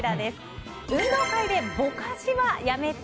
運動会で、ぼかしはやめて。